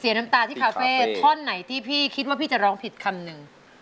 น้ำตาที่คาเฟ่ท่อนไหนที่พี่คิดว่าพี่จะร้องผิดคำหนึ่ง